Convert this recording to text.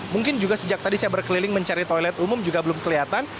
mungkin juga sejak tadi saya berkeliling mencari toilet umum juga belum kelihatan